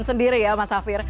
kebutuhan sendiri ya mas hafir